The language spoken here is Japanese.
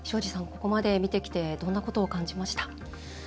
ここまで見てきてどんなことを感じました？